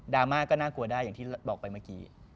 ราม่าก็น่ากลัวได้อย่างที่บอกไปเมื่อกี้